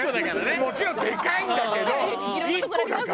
もちろんでかいんだけど１個だから青は。